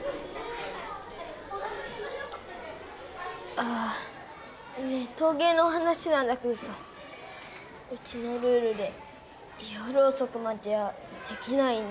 ああネトゲの話なんだけどさうちのルールで夜遅くまではできないんだ。